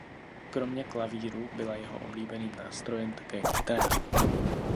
Kromě klavíru byla jeho oblíbeným nástrojem také kytara.